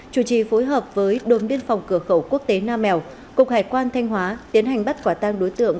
chủ trì phối hợp với đồn biên phòng cửa khẩu quốc tế nam mèo cục hải quan thanh hóa tiến hành bắt quả tang đối tượng